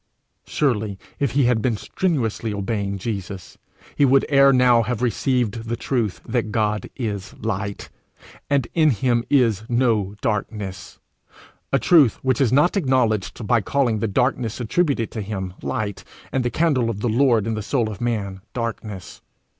_' Surely, if he had been strenuously obeying Jesus, he would ere now have received the truth that God is light, and in him is no darkness a truth which is not acknowledged by calling the darkness attributed to him light, and the candle of the Lord in the soul of man darkness.